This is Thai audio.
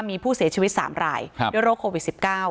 มีผู้เสียชีวิต๓รายด้วยโรคโควิด๑๙